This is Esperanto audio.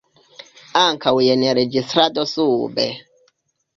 Ankaŭ jen registrado sube.